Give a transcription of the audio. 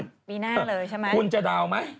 ปีหน้าเลยใช่ไหมคุณจะดาวน์ไหม